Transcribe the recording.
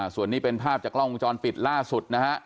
ส่วนนี้เป็นภาพจากกล้องวงจรปิดล่าสุดนะฮะ